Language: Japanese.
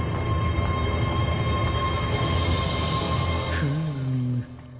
フーム。